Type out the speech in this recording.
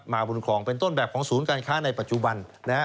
บนคลองเป็นต้นแบบของศูนย์การค้าในปัจจุบัน